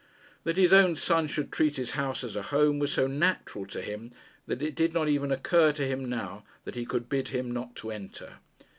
That his own son should treat his house as a home was so natural to him, that it did not even occur to him now that he could bid him not to enter.